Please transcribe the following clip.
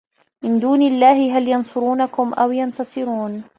مِن دونِ اللَّهِ هَل يَنصُرونَكُم أَو يَنتَصِرونَ